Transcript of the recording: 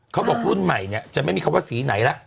เขาบอกรุ่นใหม่เนี่ยจะไม่มีคำว่าสีไหนละ